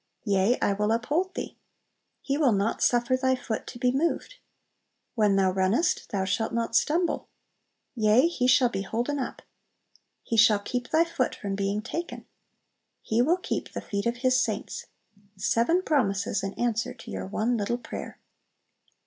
"Yea, I will uphold thee." "He will not suffer thy foot to be moved." "When thou runnest thou shalt not stumble." "Yea, he shall be holden up." "He shall keep thy foot from being taken." "He will keep the feet of His saints." Seven promises in answer to your one little prayer!